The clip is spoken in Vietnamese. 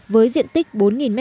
với diện tích bốn m hai